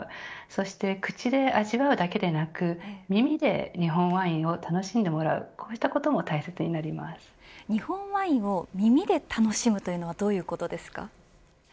そして口で味わうわけだけではなく耳で日本ワインを楽しんでもらう日本ワインを耳で楽しむというのはどういうことでしょうか。